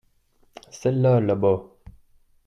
Celles-là là-bas.